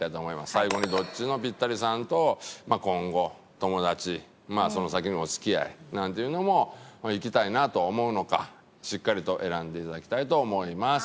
最後にどっちのピッタリさんと今後友達まあその先のお付き合いなんていうのもいきたいなと思うのかしっかりと選んでいただきたいと思います。